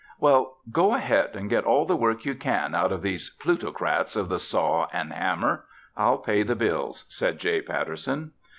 "Well, go ahead and get all the work you can out of these plutocrats of the saw and hammer. I'll pay the bills," said J. Patterson.